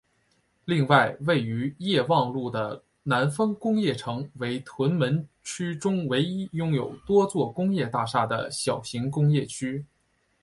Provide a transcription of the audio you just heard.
另外位于业旺路的南丰工业城为屯门区中唯一拥有多座工业大厦的小型工业区。